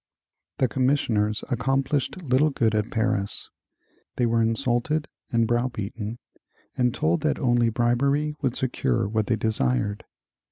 The commissioners accomplished little good at Paris. They were insulted and browbeaten and told that only bribery would secure what they desired.